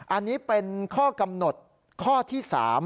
อันนี้เป็นข้อกำหนดข้อที่๓